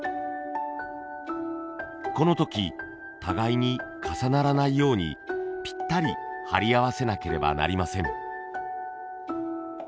この時互いに重ならないようにぴったり貼り合わせなければなりません。